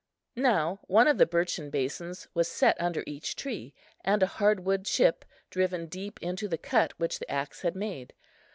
Now one of the birchen basins was set under each tree, and a hardwood chip driven deep into the cut which the axe had made.